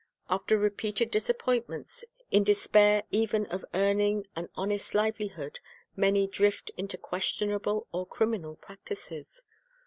After repeated disappointments, in despair even of earning an honest livelihood, many drift into questionable or criminal practises.